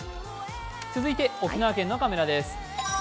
続いて、沖縄県のカメラです